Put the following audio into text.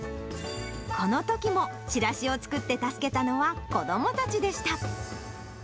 このときも、チラシを作って助けたのは、子どもたちでした。